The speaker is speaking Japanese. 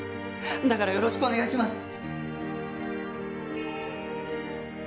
だからよろしくお願いします。